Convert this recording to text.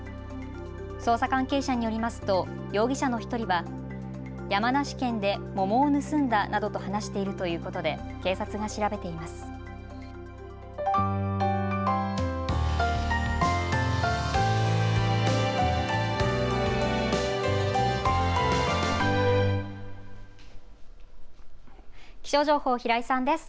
捜査関係者によりますと容疑者の１人は山梨県で桃を盗んだなどと話しているということで警察が調べています。